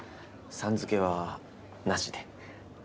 「さん」付けはなしで。